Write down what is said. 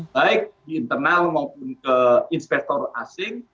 baik di internal maupun ke investor asing